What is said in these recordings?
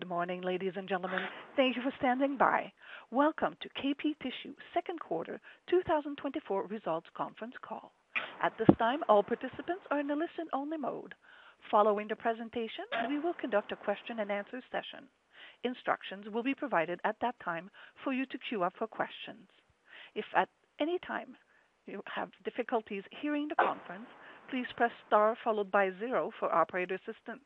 Good morning, ladies and gentlemen. Thank you for standing by. Welcome to KP Tissue Second Quarter 2024 Results Conference Call. At this time, all participants are in a listen-only mode. Following the presentation, we will conduct a question-and-answer session. Instructions will be provided at that time for you to queue up for questions. If at any time you have difficulties hearing the conference, please press star followed by zero for operator assistance.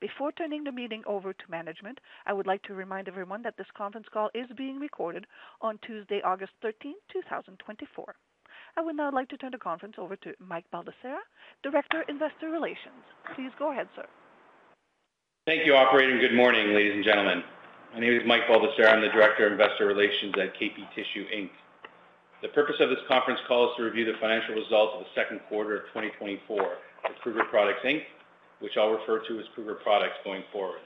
Before turning the meeting over to management, I would like to remind everyone that this conference call is being recorded on Tuesday, August 13, 2024. I would now like to turn the conference over to Mike Baldissera, Director, Investor Relations. Please go ahead, sir. Thank you, operator, and good morning, ladies and gentlemen. My name is Mike Baldissera. I'm the Director of Investor Relations at KP Tissue, Inc. The purpose of this conference call is to review the financial results of the second quarter of 2024 for Kruger Products Inc, which I'll refer to as Kruger Products going forward.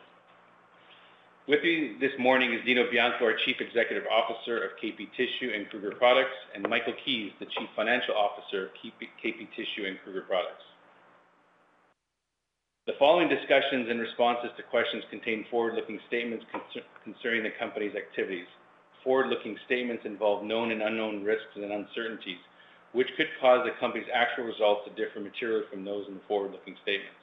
With me this morning is Dino Bianco, our Chief Executive Officer of KP Tissue and Kruger Products, and Michael Keays, the Chief Financial Officer of KP, KP Tissue, and Kruger Products. The following discussions and responses to questions contain forward-looking statements concerning the company's activities. Forward-looking statements involve known and unknown risks and uncertainties, which could cause the company's actual results to differ materially from those in the forward-looking statements.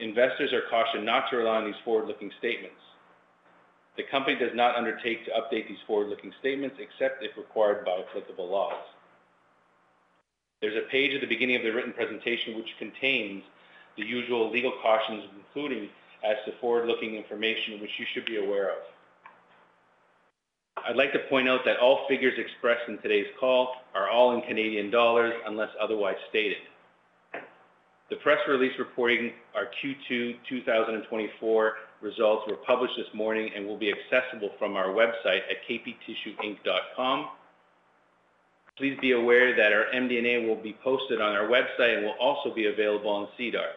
Investors are cautioned not to rely on these forward-looking statements. The company does not undertake to update these forward-looking statements, except if required by applicable laws. There's a page at the beginning of the written presentation, which contains the usual legal cautions, including as to forward-looking information, which you should be aware of. I'd like to point out that all figures expressed in today's call are all in Canadian dollars, unless otherwise stated. The press release reporting our Q2 2024 results were published this morning and will be accessible from our website at kptissueinc.com. Please be aware that our MD&A will be posted on our website and will also be available on SEDAR.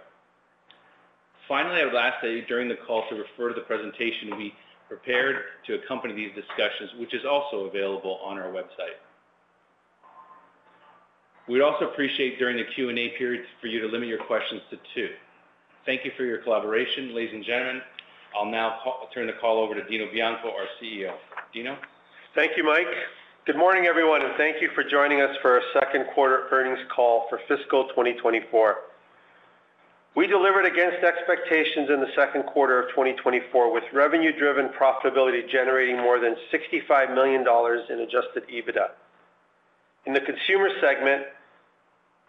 Finally, I would ask that you, during the call, to refer to the presentation we prepared to accompany these discussions, which is also available on our website. We'd also appreciate during the Q&A period for you to limit your questions to two. Thank you for your collaboration, ladies and gentlemen. I'll now turn the call over to Dino Bianco, our CEO. Dino? Thank you, Mike. Good morning, everyone, and thank you for joining us for our second quarter earnings call for fiscal 2024. We delivered against expectations in the second quarter of 2024, with revenue-driven profitability generating more than 65 million dollars in Adjusted EBITDA. In the consumer segment,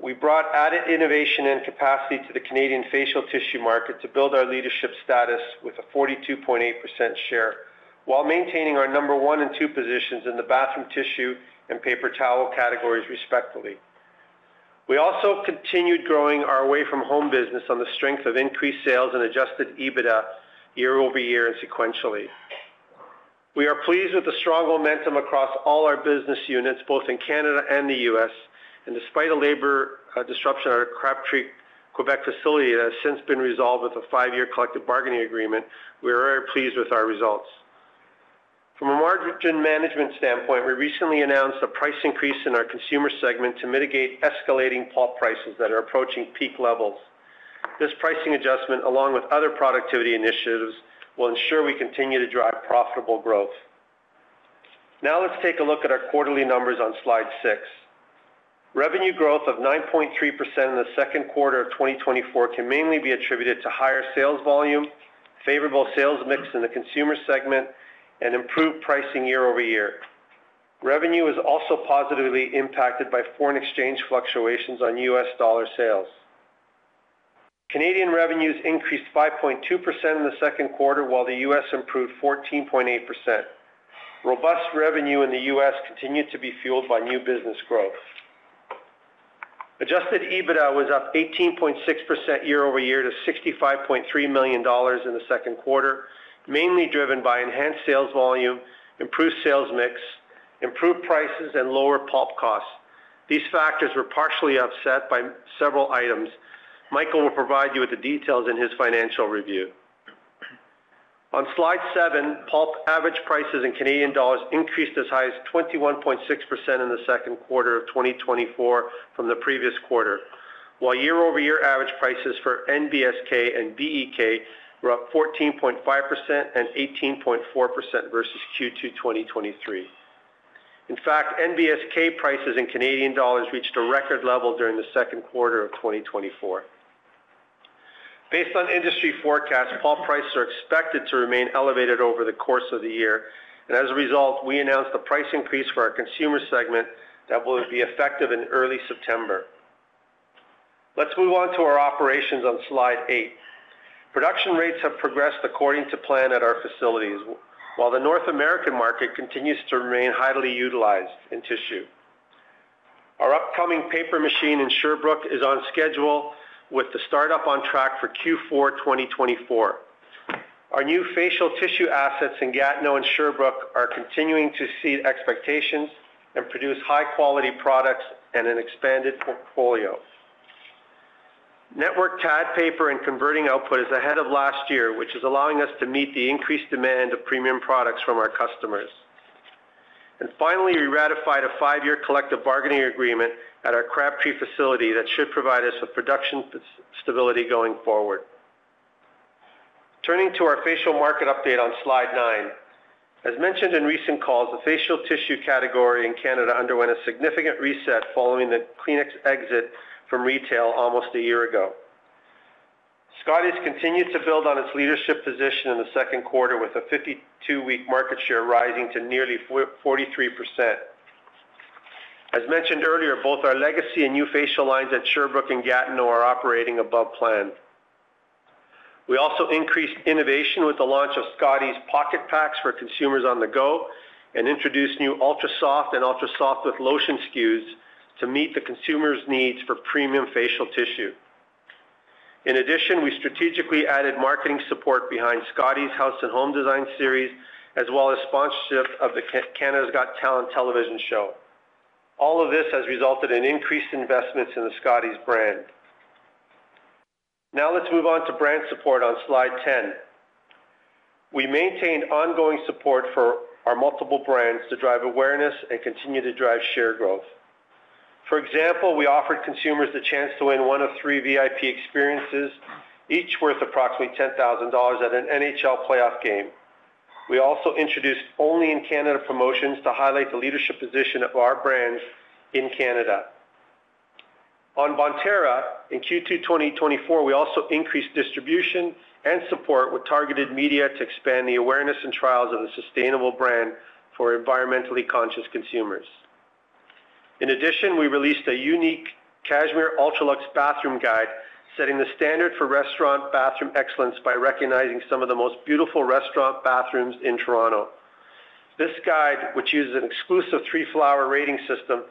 we brought added innovation and capacity to the Canadian facial tissue market to build our leadership status with a 42.8% share, while maintaining our number one and two positions in the bathroom tissue and paper towel categories, respectively. We also continued growing our away from home business on the strength of increased sales and Adjusted EBITDA year-over-year and sequentially. We are pleased with the strong momentum across all our business units, both in Canada and the U.S., and despite a labor disruption at our Crabtree, Quebec facility that has since been resolved with a five-year collective bargaining agreement, we are very pleased with our results. From a margin management standpoint, we recently announced a price increase in our consumer segment to mitigate escalating pulp prices that are approaching peak levels. This pricing adjustment, along with other productivity initiatives, will ensure we continue to drive profitable growth. Now, let's take a look at our quarterly numbers on slide 6. Revenue growth of 9.3% in the second quarter of 2024 can mainly be attributed to higher sales volume, favorable sales mix in the consumer segment, and improved pricing year-over-year. Revenue is also positively impacted by foreign exchange fluctuations on U.S. dollar sales. Canadian revenues increased 5.2% in the second quarter, while the U.S. improved 14.8%. Robust revenue in the U.S. continued to be fueled by new business growth. Adjusted EBITDA was up 18.6% year-over-year to 65.3 million dollars in the second quarter, mainly driven by enhanced sales volume, improved sales mix, improved prices, and lower pulp costs. These factors were partially offset by several items. Michael will provide you with the details in his financial review. On slide seven, pulp average prices in Canadian dollars increased as high as 21.6% in the second quarter of 2024 from the previous quarter, while year-over-year average prices for NBSK and BEK were up 14.5% and 18.4% versus Q2 2023. In fact, NBSK prices in Canadian dollars reached a record level during the second quarter of 2024. Based on industry forecasts, pulp prices are expected to remain elevated over the course of the year, and as a result, we announced a price increase for our consumer segment that will be effective in early September. Let's move on to our operations on slide 8. Production rates have progressed according to plan at our facilities, while the North American market continues to remain highly utilized in tissue. Our upcoming paper machine in Sherbrooke is on schedule, with the startup on track for Q4 2024. Our new facial tissue assets in Gatineau and Sherbrooke are continuing to exceed expectations and produce high-quality products and an expanded portfolio. New TAD paper and converting output is ahead of last year, which is allowing us to meet the increased demand of premium products from our customers. Finally, we ratified a 5-year collective bargaining agreement at our Crabtree facility that should provide us with production stability going forward. Turning to our facial market update on slide 9. As mentioned in recent calls, the facial tissue category in Canada underwent a significant reset following the Kleenex exit from retail almost a year ago. Scotties continued to build on its leadership position in the second quarter, with a 52-week market share rising to nearly 44.3%. As mentioned earlier, both our legacy and new facial lines at Sherbrooke and Gatineau are operating above plan. We also increased innovation with the launch of Scotties Pocket Packs for consumers on the go, and introduced new Ultra Soft and Ultra Soft with Lotion SKUs to meet the consumer's needs for premium facial tissue. In addition, we strategically added marketing support behind Scotties House and Home Design Series, as well as sponsorship of the Canada's Got Talent television show. All of this has resulted in increased investments in the Scotties brand. Now let's move on to brand support on Slide 10. We maintained ongoing support for our multiple brands to drive awareness and continue to drive share growth. For example, we offered consumers the chance to win one of 3 VIP experiences, each worth approximately 10,000 dollars at an NHL playoff game. We also introduced only in Canada promotions to highlight the leadership position of our brands in Canada. On Bonterra, in Q2, 2024, we also increased distribution and support with targeted media to expand the awareness and trials of the sustainable brand for environmentally conscious consumers. In addition, we released a unique Cashmere UltraLuxe Bathroom Guide, setting the standard for restaurant bathroom excellence by recognizing some of the most beautiful restaurant bathrooms in Toronto. This guide, which uses an exclusive three-flower rating system,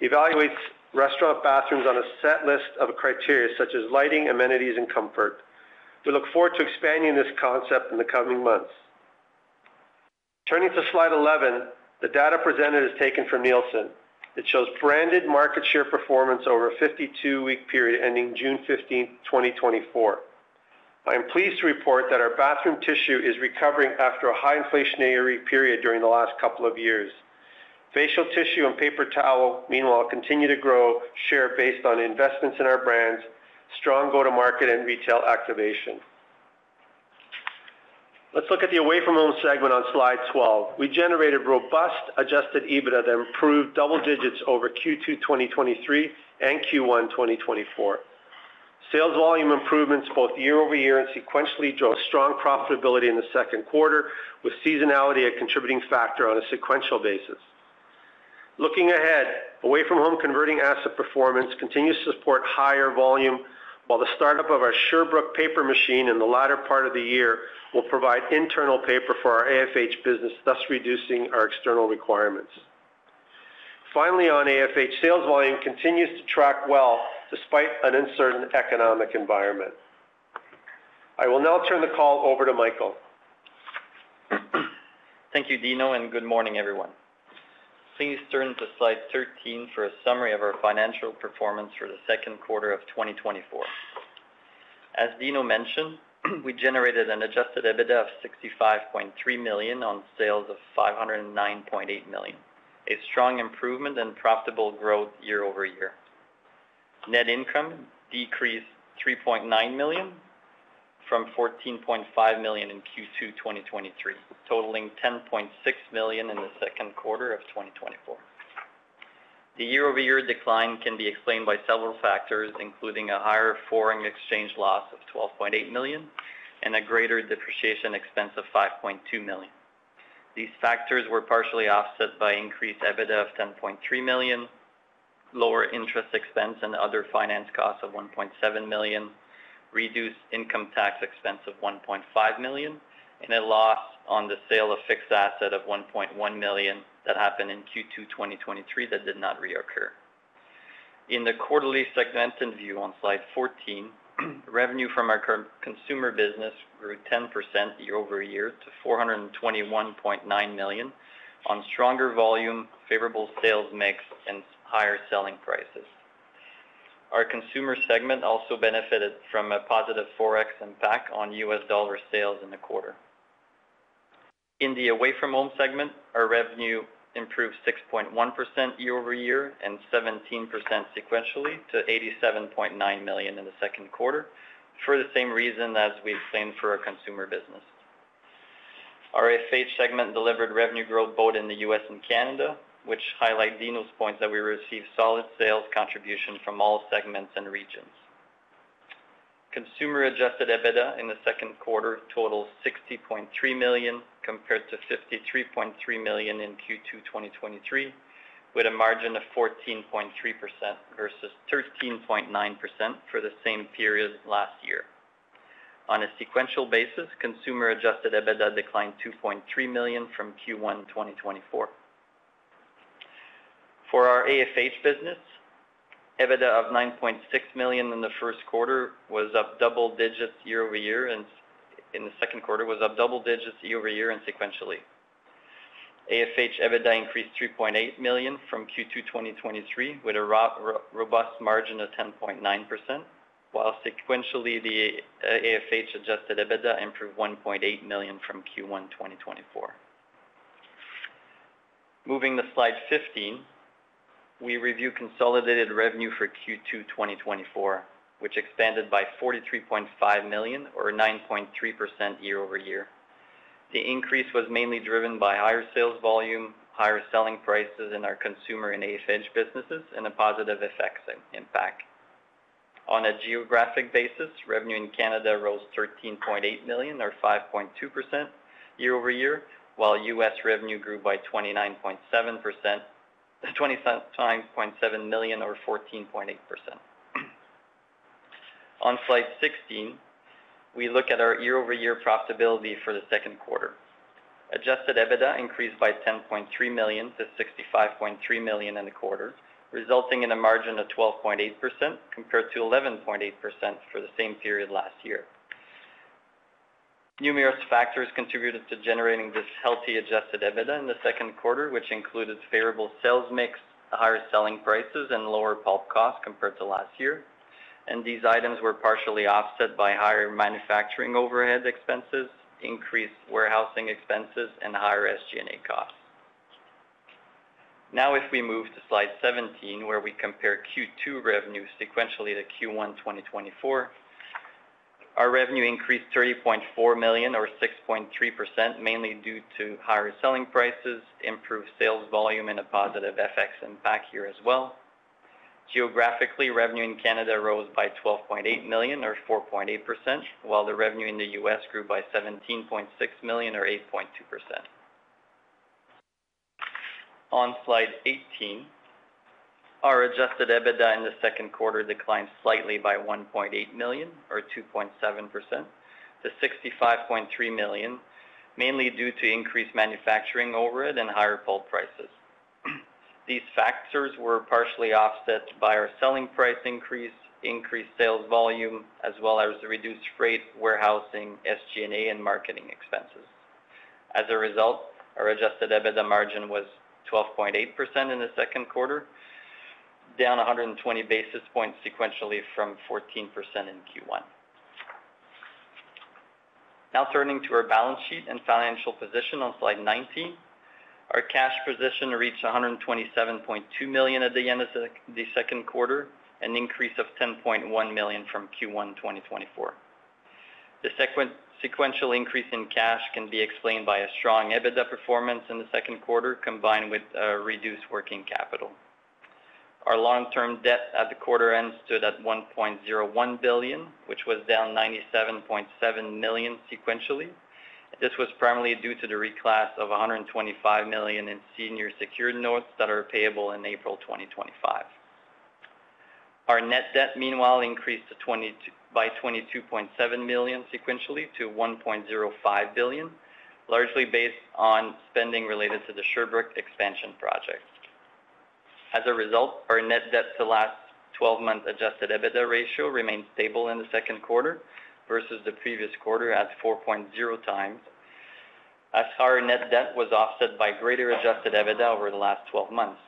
evaluates restaurant bathrooms on a set list of criteria such as lighting, amenities, and comfort. We look forward to expanding this concept in the coming months. Turning to slide 11, the data presented is taken from Nielsen. It shows branded market share performance over a 52-week period, ending June fifteenth, 2024. I am pleased to report that our bathroom tissue is recovering after a high inflationary period during the last couple of years. Facial tissue and paper towel, meanwhile, continue to grow share based on investments in our brands, strong go-to-market and retail activation. Let's look at the away-from-home segment on Slide 12. We generated robust Adjusted EBITDA that improved double digits over Q2 2023 and Q1 2024. Sales volume improvements both year-over-year and sequentially drove strong profitability in the second quarter, with seasonality a contributing factor on a sequential basis. Looking ahead, away-from-home converting asset performance continues to support higher volume, while the startup of our Sherbrooke paper machine in the latter part of the year will provide internal paper for our AFH business, thus reducing our external requirements. Finally, on AFH, sales volume continues to track well despite an uncertain economic environment. I will now turn the call over to Michael. Thank you, Dino, and good morning, everyone. Please turn to slide 13 for a summary of our financial performance for the second quarter of 2024. As Dino mentioned, we generated an Adjusted EBITDA of 65.3 million on sales of 509.8 million, a strong improvement and profitable growth year-over-year. Net income decreased 3.9 million from 14.5 million in Q2 2023, totaling 10.6 million in the second quarter of 2024. The year-over-year decline can be explained by several factors, including a higher foreign exchange loss of CAD 12.8 million and a greater depreciation expense of CAD 5.2 million. These factors were partially offset by increased EBITDA of CAD 10.3 million, lower interest expense and other finance costs of CAD 1.7 million, reduced income tax expense of CAD 1.5 million, and a loss on the sale of fixed asset of CAD 1.1 million that happened in Q2 2023 that did not reoccur. In the quarterly segmented view on slide 14, revenue from our consumer business grew 10% year-over-year to 421.9 million on stronger volume, favorable sales mix and higher selling prices. Our consumer segment also benefited from a positive Forex impact on U.S. dollar sales in the quarter. In the Away-from-Home segment, our revenue improved 6.1% year-over-year and 17% sequentially to 87.9 million in the second quarter, for the same reason as we've seen for our consumer business. Our AFH segment delivered revenue growth both in the U.S. and Canada, which highlight Dino's point, that we received solid sales contribution from all segments and regions. Consumer-adjusted EBITDA in the second quarter totals 60.3 million, compared to 53.3 million in Q2 2023, with a margin of 14.3% versus 13.9% for the same period last year. On a sequential basis, consumer-adjusted EBITDA declined 2.3 million from Q1 2024. For our AFH business, EBITDA of 9.6 million in the first quarter was up double digits year-over-year, and in the second quarter was up double digits year-over-year and sequentially. AFH EBITDA increased 3.8 million from Q2 2023, with a robust margin of 10.9%.... while sequentially, the AFH adjusted EBITDA improved 1.8 million from Q1 2024. Moving to slide 15, we review consolidated revenue for Q2 2024, which expanded by 43.5 million or 9.3% year-over-year. The increase was mainly driven by higher sales volume, higher selling prices in our consumer and AFH businesses, and a positive FX impact. On a geographic basis, revenue in Canada rose 13.8 million, or 5.2% year-over-year, while U.S. revenue grew by 29.7% to 20.7 million or 14.8%. On slide 16, we look at our year-over-year profitability for the second quarter. Adjusted EBITDA increased by 10.3 million to 65.3 million in the quarter, resulting in a margin of 12.8%, compared to 11.8% for the same period last year. Numerous factors contributed to generating this healthy adjusted EBITDA in the second quarter, which included favorable sales mix, higher selling prices, and lower pulp costs compared to last year, and these items were partially offset by higher manufacturing overhead expenses, increased warehousing expenses, and higher SG&A costs. Now, if we move to slide 17, where we compare Q2 revenue sequentially to Q1 2024, our revenue increased 30.4 million or 6.3%, mainly due to higher selling prices, improved sales volume, and a positive FX impact here as well. Geographically, revenue in Canada rose by 12.8 million or 4.8%, while the revenue in the U.S. grew by 17.6 million or 8.2%. On slide 18, our adjusted EBITDA in the second quarter declined slightly by 1.8 million or 2.7% to 65.3 million, mainly due to increased manufacturing overhead and higher pulp prices. These factors were partially offset by our selling price increase, increased sales volume, as well as reduced freight, warehousing, SG&A, and marketing expenses. As a result, our adjusted EBITDA margin was 12.8% in the second quarter, down 120 basis points sequentially from 14% in Q1. Now turning to our balance sheet and financial position on slide 19. Our cash position reached 127.2 million at the end of the second quarter, an increase of 10.1 million from Q1 2024. The sequential increase in cash can be explained by a strong EBITDA performance in the second quarter, combined with a reduced working capital. Our long-term debt at the quarter end stood at 1.01 billion, which was down 97.7 million sequentially. This was primarily due to the reclass of 125 million in senior secured notes that are payable in April 2025. Our net debt, meanwhile, increased by 22.7 million sequentially to 1.05 billion, largely based on spending related to the Sherbrooke expansion project. As a result, our net debt to last twelve-month Adjusted EBITDA ratio remained stable in the second quarter versus the previous quarter at 4.0 times, as our net debt was offset by greater Adjusted EBITDA over the last twelve months.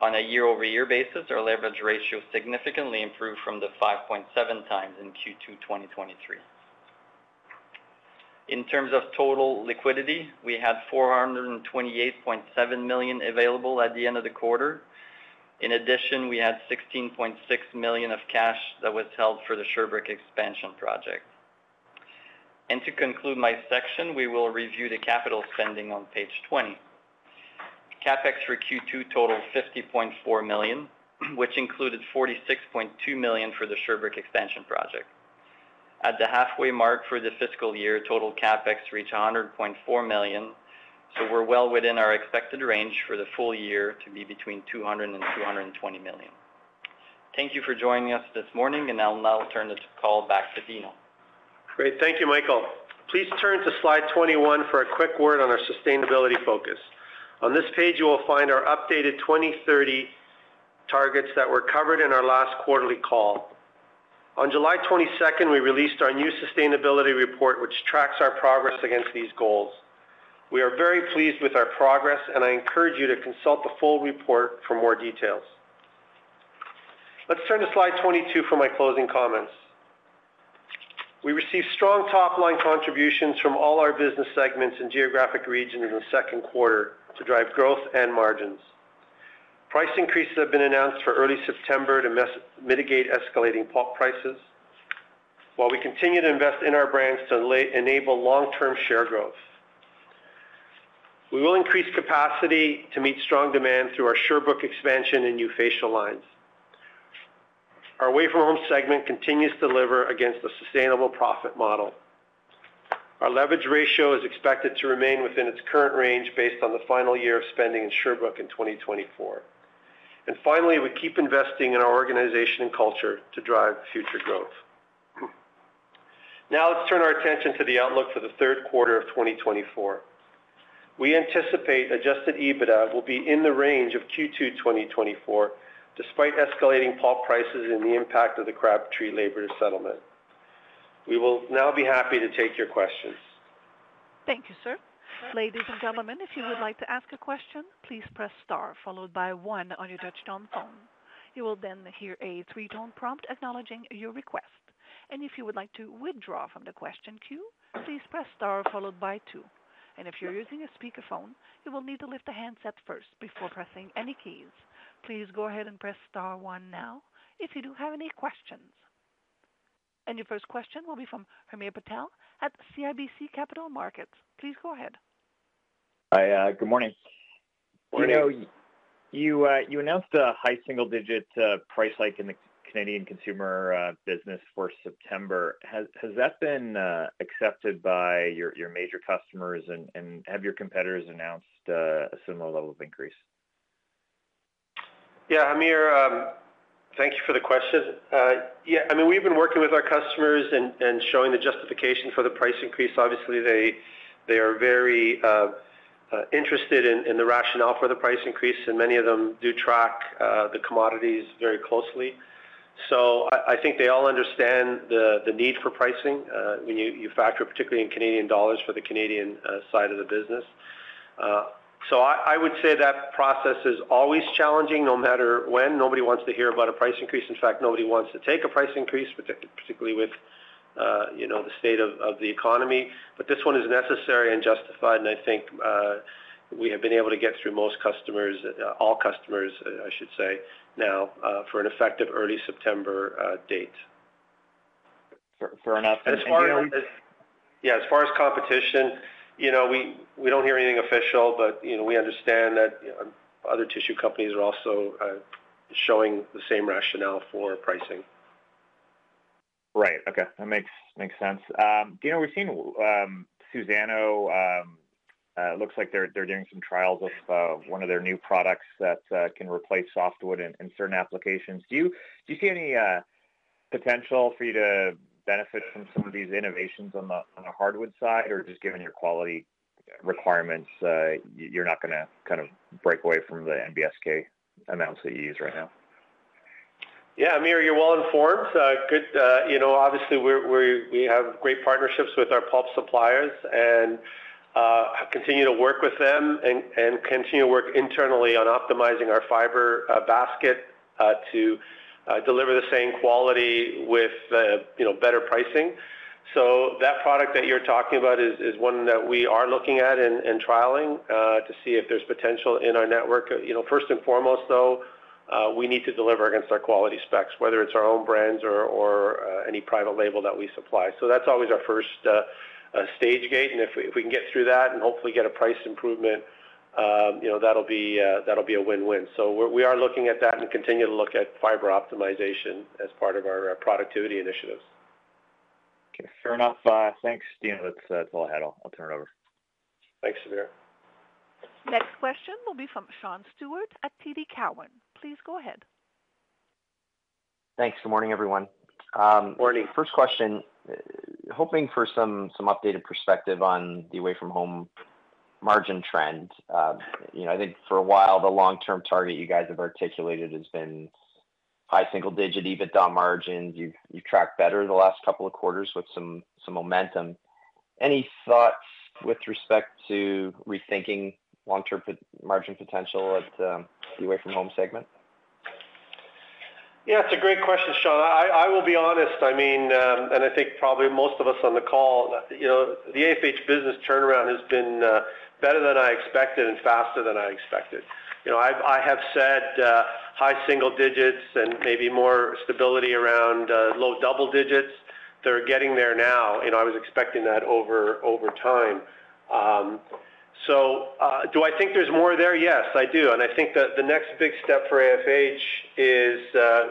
On a year-over-year basis, our leverage ratio significantly improved from the 5.7 times in Q2 2023. In terms of total liquidity, we had 428.7 million available at the end of the quarter. In addition, we had 16.6 million of cash that was held for the Sherbrooke expansion project. To conclude my section, we will review the capital spending on page 20. CapEx for Q2 totaled 50.4 million, which included 46.2 million for the Sherbrooke expansion project. At the halfway mark for the fiscal year, total CapEx reached 100.4 million, so we're well within our expected range for the full year to be between 200 million and 220 million. Thank you for joining us this morning, and I'll now turn this call back to Dino. Great. Thank you, Michael. Please turn to slide 21 for a quick word on our sustainability focus. On this page, you will find our updated 2030 targets that were covered in our last quarterly call. On July 22, we released our new sustainability report, which tracks our progress against these goals. We are very pleased with our progress, and I encourage you to consult the full report for more details. Let's turn to slide 22 for my closing comments. We received strong top-line contributions from all our business segments and geographic regions in the second quarter to drive growth and margins. Price increases have been announced for early September to mitigate escalating pulp prices, while we continue to invest in our brands to enable long-term share growth. We will increase capacity to meet strong demand through our Sherbrooke expansion and new facial lines. Our away-from-home segment continues to deliver against the sustainable profit model. Our leverage ratio is expected to remain within its current range, based on the final year of spending in Sherbrooke in 2024. Finally, we keep investing in our organization and culture to drive future growth. Now, let's turn our attention to the outlook for the third quarter of 2024. We anticipate Adjusted EBITDA will be in the range of Q2 2024, despite escalating pulp prices and the impact of the Crabtree labor settlement. We will now be happy to take your questions. Thank you, sir. Ladies and gentlemen, if you would like to ask a question, please press star, followed by one on your touchtone phone. You will then hear a three-tone prompt acknowledging your request. And if you would like to withdraw from the question queue, please press star followed by two. And if you're using a speakerphone, you will need to lift the handset first before pressing any keys. Please go ahead and press star one now if you do have any questions. And your first question will be from Hamir Patel at CIBC Capital Markets. Please go ahead. Hi, good morning. Morning. You know, you announced a high single-digit price hike in the Canadian consumer business for September. Has that been accepted by your major customers, and have your competitors announced a similar level of increase? Yeah, Hamir, thank you for the question. Yeah, I mean, we've been working with our customers and showing the justification for the price increase. Obviously, they are very interested in the rationale for the price increase, and many of them do track the commodities very closely. So I think they all understand the need for pricing when you factor, particularly in Canadian dollars for the Canadian side of the business. So I would say that process is always challenging, no matter when. Nobody wants to hear about a price increase. In fact, nobody wants to take a price increase, particularly with, you know, the state of, of the economy, but this one is necessary and justified, and I think, we have been able to get through most customers, all customers, I should say, now, for an effective early September date. Fair enough. And as far as- Yeah, as far as competition, you know, we don't hear anything official, but you know, we understand that other tissue companies are also showing the same rationale for pricing. Right. Okay, that makes sense. You know, we've seen Suzano looks like they're doing some trials with one of their new products that can replace softwood in certain applications. Do you see any potential for you to benefit from some of these innovations on the hardwood side? Or just given your quality requirements, you're not gonna kind of break away from the NBSK amounts that you use right now? Yeah, Hamir, you're well informed. You know, obviously, we're we have great partnerships with our pulp suppliers and continue to work with them and continue to work internally on optimizing our fiber basket to deliver the same quality with you know, better pricing. So that product that you're talking about is one that we are looking at and trialing to see if there's potential in our network. You know, first and foremost, though, we need to deliver against our quality specs, whether it's our own brands or any private label that we supply. So that's always our first stage gate, and if we can get through that and hopefully get a price improvement, you know, that'll be a win-win. So we are looking at that and continue to look at fiber optimization as part of our productivity initiatives. Okay, fair enough. Thanks, Dino. That's, that's all I had. I'll turn it over. Thanks, Amir. Next question will be from Sean Steuart at TD Cowen. Please go ahead. Thanks. Good morning, everyone. Morning. First question, hoping for some updated perspective on the away from home margin trend. You know, I think for a while, the long-term target you guys have articulated has been high single digit EBITDA margins. You've tracked better the last couple of quarters with some momentum. Any thoughts with respect to rethinking long-term margin potential at the away from home segment? Yeah, it's a great question, Sean. I will be honest, I mean, and I think probably most of us on the call, you know, the AFH business turnaround has been better than I expected and faster than I expected. You know, I've said high single digits and maybe more stability around low double digits. They're getting there now, and I was expecting that over time. So, do I think there's more there? Yes, I do, and I think the next big step for AFH is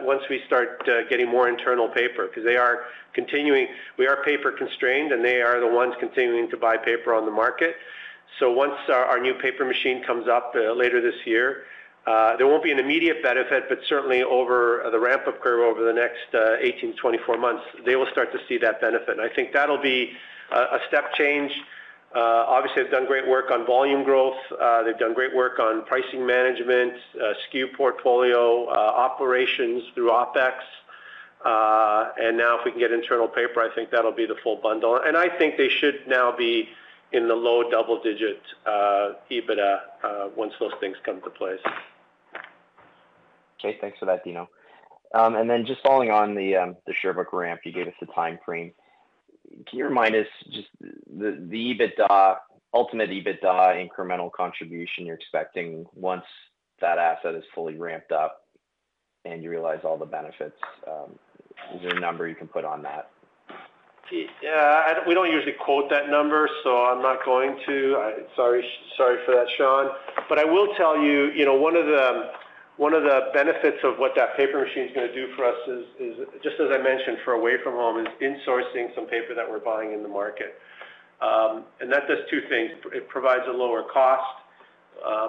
once we start getting more internal paper, because they are continuing. We are paper constrained, and they are the ones continuing to buy paper on the market. So once our new paper machine comes up later this year, there won't be an immediate benefit, but certainly over the ramp-up curve over the next 18 months-24 months, they will start to see that benefit. I think that'll be a step change. Obviously, they've done great work on volume growth. They've done great work on pricing management, SKU portfolio, operations through OpEx. And now, if we can get internal paper, I think that'll be the full bundle. And I think they should now be in the low double-digit EBITDA once those things come to place. Okay. Thanks for that, Dino. And then just following on the Sherbrooke ramp, you gave us the time frame. Can you remind us just the EBITDA, ultimate EBITDA incremental contribution you're expecting once that asset is fully ramped up and you realize all the benefits? Is there a number you can put on that? Yeah, we don't usually quote that number, so I'm not going to. Sorry, sorry for that, Sean. But I will tell you, you know, one of the, one of the benefits of what that paper machine is gonna do for us is, is just as I mentioned, for away from home, is insourcing some paper that we're buying in the market. And that does two things: It provides a lower cost,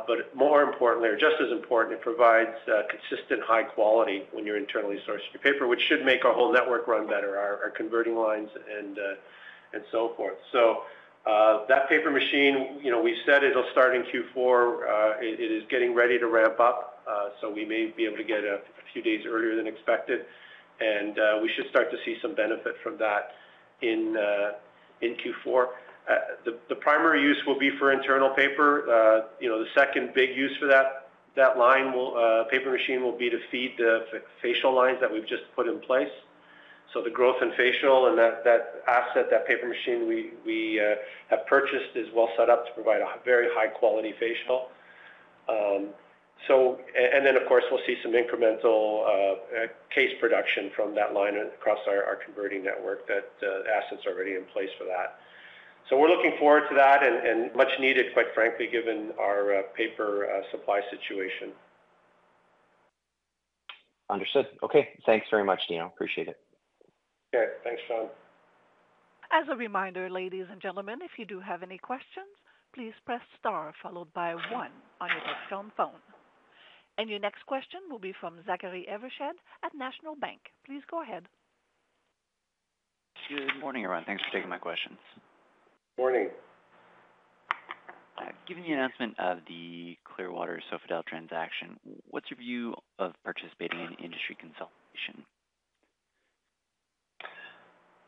but more importantly, or just as important, it provides consistent high quality when you're internally sourcing your paper, which should make our whole network run better, our, our converting lines and, and so forth. So, that paper machine, you know, we said it'll start in Q4. It is getting ready to ramp up, so we may be able to get a few days earlier than expected, and we should start to see some benefit from that in Q4. The primary use will be for internal paper. You know, the second big use for that line paper machine will be to feed the facial lines that we've just put in place. So the growth in facial and that asset, that paper machine we have purchased, is well set up to provide a very high quality facial. So and then, of course, we'll see some incremental case production from that line across our converting network, that asset's already in place for that. So we're looking forward to that, and, and much needed, quite frankly, given our paper supply situation. Understood. Okay, thanks very much, Dino. Appreciate it. Okay. Thanks, Sean. As a reminder, ladies and gentlemen, if you do have any questions, please press star followed by one on your touchtone phone. Your next question will be from Zachary Evershed at National Bank. Please go ahead. Good morning, everyone. Thanks for taking my questions. Morning. Given the announcement of the Clearwater Sofidel transaction, what's your view of participating in industry consolidation?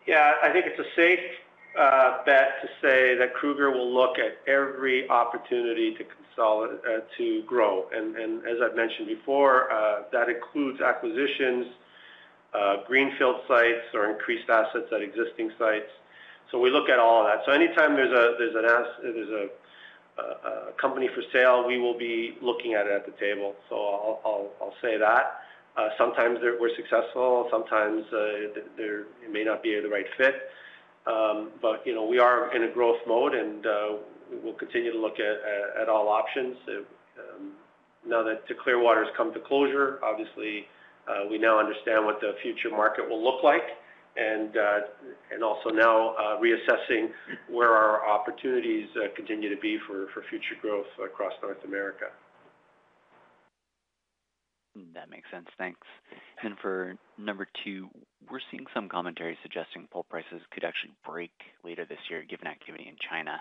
Yeah, I think it's a safe bet to say that Kruger will look at every opportunity to consolidate to grow. And as I've mentioned before, that includes acquisitions, greenfield sites or increased assets at existing sites. So we look at all of that. So anytime there's a company for sale, we will be looking at it at the table. So I'll say that. Sometimes we're successful, sometimes it may not be the right fit. But, you know, we are in a growth mode, and we will continue to look at all options. If now that the Clearwater has come to closure, obviously, we now understand what the future market will look like, and also now, reassessing where our opportunities continue to be for future growth across North America. That makes sense. Thanks. For number two, we're seeing some commentary suggesting pulp prices could actually break later this year, given activity in China.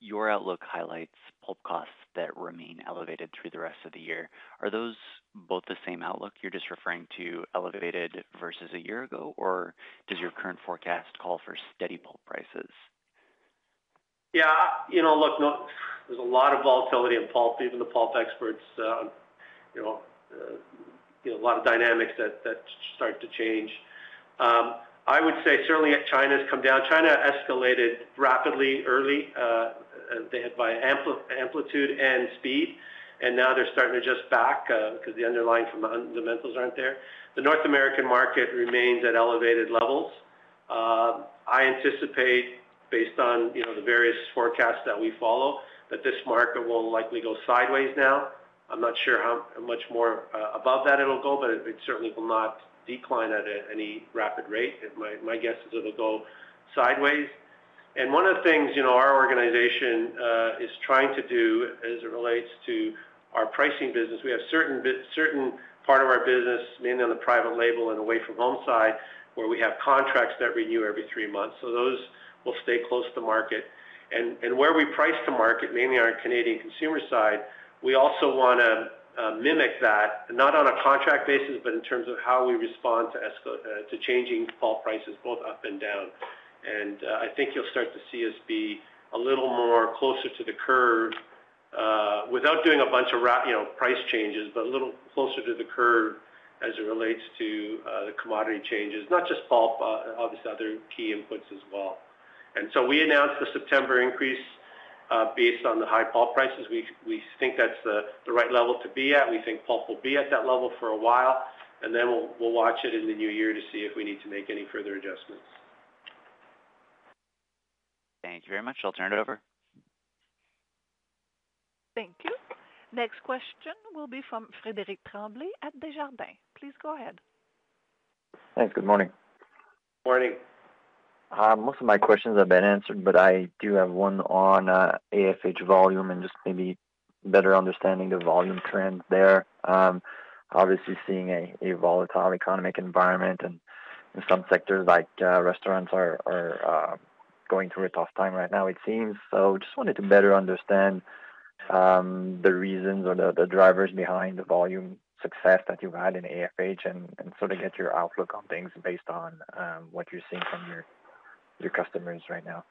Your outlook highlights pulp costs that remain elevated through the rest of the year. Are those both the same outlook? You're just referring to elevated versus a year ago, or does your current forecast call for steady pulp prices? Yeah, you know, look, no, there's a lot of volatility in pulp. Even the pulp experts, a lot of dynamics that start to change. I would say certainly China's come down. China escalated rapidly early, they had by amplitude and speed, and now they're starting to just back, because the underlying fundamentals aren't there. The North American market remains at elevated levels. I anticipate, based on, you know, the various forecasts that we follow, that this market will likely go sideways now. I'm not sure how much more above that it'll go, but it certainly will not decline at any rapid rate. My guess is it'll go sideways. One of the things, you know, our organization is trying to do as it relates to our pricing business, we have certain part of our business, mainly on the private label and away-from-home side, where we have contracts that renew every three months, so those will stay close to market. Where we price to market, mainly on our Canadian consumer side, we also wanna mimic that, not on a contract basis, but in terms of how we respond to changing pulp prices, both up and down. I think you'll start to see us be a little more closer to the curve without doing a bunch of, you know, price changes, but a little closer to the curve as it relates to the commodity changes. Not just pulp, obviously other key inputs as well. And so we announced the September increase based on the high pulp prices. We think that's the right level to be at. We think pulp will be at that level for a while, and then we'll watch it in the new year to see if we need to make any further adjustments. Thank you very much. I'll turn it over. Thank you. Next question will be from Frederic Tremblay at Desjardins. Please go ahead. Thanks. Good morning. Morning. Most of my questions have been answered, but I do have one on AFH volume and just maybe better understanding the volume trends there. Obviously seeing a volatile economic environment and in some sectors, like, restaurants are going through a tough time right now, it seems. So just wanted to better understand the reasons or the drivers behind the volume success that you've had in AFH and sort of get your outlook on things based on what you're seeing from your customers right now.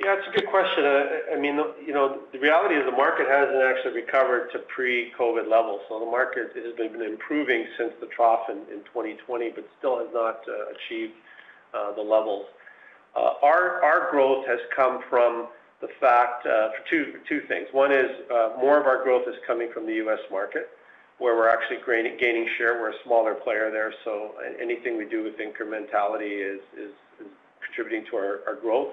Yeah, it's a good question. I mean, you know, the reality is the market hasn't actually recovered to pre-COVID levels, so the market has been improving since the trough in 2020, but still has not achieved the levels. Our growth has come from the fact, two things. One is, more of our growth is coming from the U.S. market, where we're actually gaining share. We're a smaller player there, so anything we do with incrementality is contributing to our growth.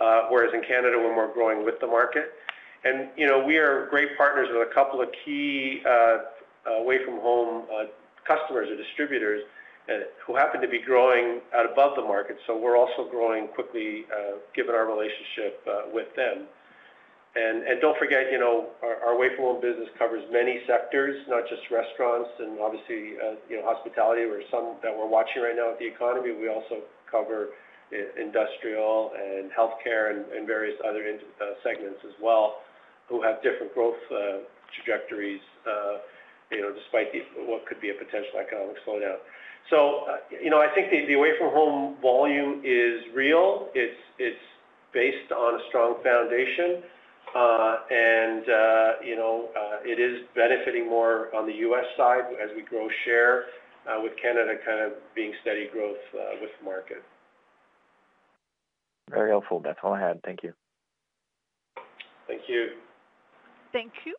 Whereas in Canada, when we're growing with the market, and, you know, we are great partners with a couple of key away from home customers or distributors, who happen to be growing at above the market. So we're also growing quickly, given our relationship with them. Don't forget, you know, our away from home business covers many sectors, not just restaurants and obviously, you know, hospitality or some that we're watching right now with the economy. We also cover industrial and healthcare and various other segments as well, who have different growth trajectories, you know, despite the what could be a potential economic slowdown. So, you know, I think the away from home volume is real. It's based on a strong foundation. And, you know, it is benefiting more on the U.S. side as we grow share, with Canada kind of being steady growth with market. Very helpful. That's all I had. Thank you. Thank you. Thank you.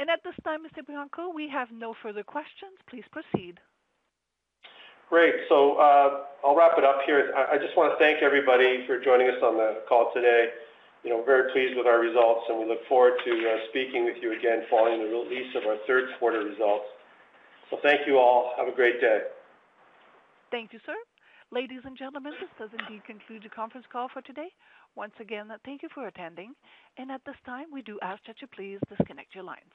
At this time, Mr. Bianco, we have no further questions. Please proceed. Great, so, I'll wrap it up here. I just wanna thank everybody for joining us on the call today. You know, we're very pleased with our results, and we look forward to speaking with you again following the release of our third quarter results. So thank you all. Have a great day. Thank you, sir. Ladies and gentlemen, this does indeed conclude the conference call for today. Once again, thank you for attending, and at this time, we do ask that you please disconnect your lines.